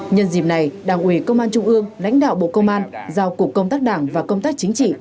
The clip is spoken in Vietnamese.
nhân dịp này đảng ủy công an trung ương lãnh đạo bộ công an giao cục công tác đảng và công tác chính trị